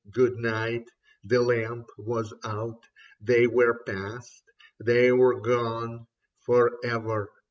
Good Night ! The lamp was out, they were passed, they were gone For ever